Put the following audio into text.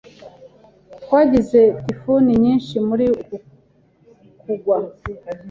Twagize tifuni nyinshi muri uku kugwa.